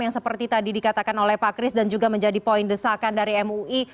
yang seperti tadi dikatakan oleh pak kris dan juga menjadi poin desakan dari mui